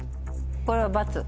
これは「×」。